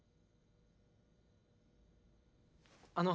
あの。